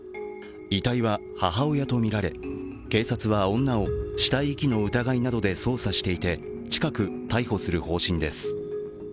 遺体は母親とみられ、警察は女を死体遺棄の疑いなどで捜査していて近く逮捕する方針です。